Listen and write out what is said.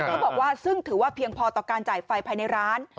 เขาบอกว่าซึ่งถือว่าเพียงพอต่อการจ่ายไฟภายในร้าน